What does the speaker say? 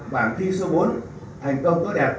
bản thi số bốn thành công tốt đẹp